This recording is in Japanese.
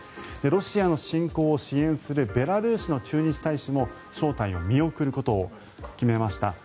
ロシアの侵攻を支援するベラルーシの駐日大使も招待を見送ることを決めました。